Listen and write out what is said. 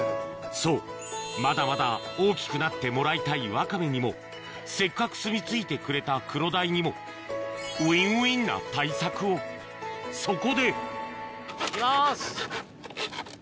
そうまだまだ大きくなってもらいたいワカメにもせっかくすみ着いてくれたクロダイにもそこで行きます。